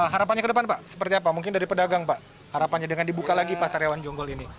harapannya ke depan pak seperti apa mungkin dari pedagang pak harapannya dengan dibuka lagi pasar hewan jonggol ini